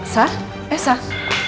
sah eh sah